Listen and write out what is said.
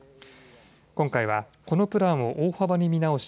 今回はこのプランを大幅に見直し